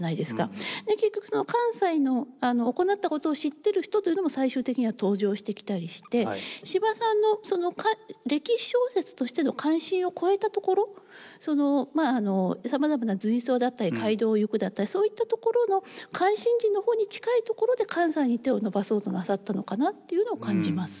結局寛斎の行ったことを知ってる人というのも最終的には登場してきたりして司馬さんの歴史小説としての関心を超えたところまあさまざまな随想だったり「街道をゆく」だったりそういったところの関心事の方に近いところで寛斎に手を伸ばそうとなさったのかなっていうのを感じます。